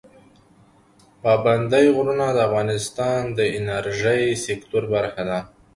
پابندی غرونه د افغانستان د انرژۍ سکتور برخه ده.